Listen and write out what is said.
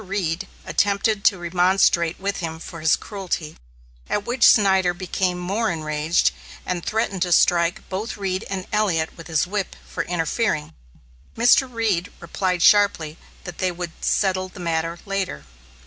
Reed attempted to remonstrate with him for his cruelty, at which Snyder became more enraged, and threatened to strike both Reed and Elliot with his whip for interfering. Mr. Reed replied sharply that they would settle the matter later.